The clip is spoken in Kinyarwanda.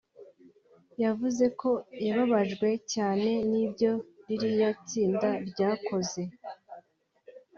yavuze ko yababajwe cyane n’ibyo ririya tsinda ryakoze